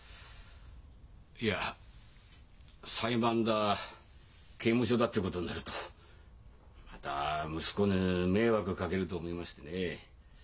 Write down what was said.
いや裁判だ刑務所だってことになるとまた息子に迷惑かけると思いましてね。